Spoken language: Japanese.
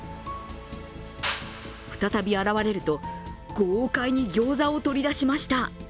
再び現れると豪快にギョーザを取り出しました。